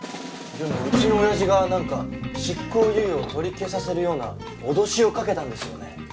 でもうちの親父がなんか執行猶予を取り消させるような脅しをかけたんですよね？